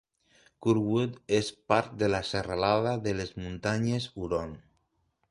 Curwood és part de la serralada de les muntanyes Huron.